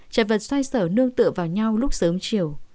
chật vật xoay sở nương tựa vào nhau lúc sớm chiều